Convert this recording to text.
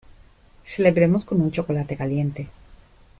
Celebremos con un chocolate caliente.